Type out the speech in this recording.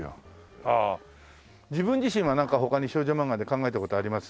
自分自身はなんか他に少女漫画で考えた事あります？